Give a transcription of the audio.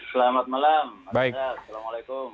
selamat malam bang lihat assalamualaikum